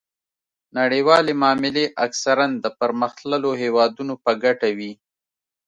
نړیوالې معاملې اکثراً د پرمختللو هیوادونو په ګټه وي